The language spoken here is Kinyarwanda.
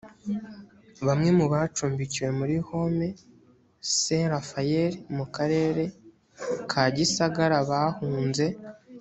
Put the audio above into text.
bamwe mu bacumbikiwe muri home saint raphael mu karere ka gisagara bahunze